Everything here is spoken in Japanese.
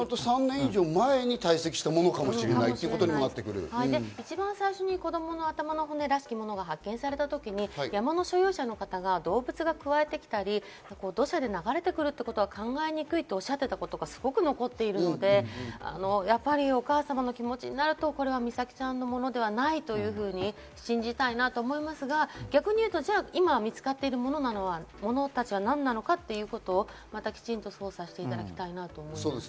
３年以上前に堆積したものか一番最初に子供の頭の骨らしきものが見つかったときに、山の所有者が動物がくわえてきたり、土砂で流れてくるってことは考えにくいとおっしゃっていたことがすごく残っているので、お母様の気持ちになると、これは美咲ちゃんのものではないというふうに信じたいなと思いますが、逆にいうと、今見つかっている物たちは何なのかということをまたきちんと捜査していただきたいなと思います。